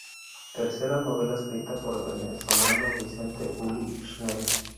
Tercera novela escrita por el venezolano Vicente Ulive-Schnell.